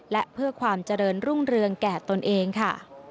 และเพื่อความเจริญรุ่งเรืองแก่ตนเองค่ะ